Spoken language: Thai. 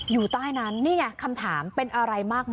อยู่ใต้นั้นนี่ไงคำถามเป็นอะไรมากไหม